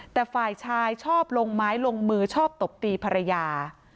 แต่ฝ่ายชายชอบลงไม้ลงมือชอบตบตีภรรยา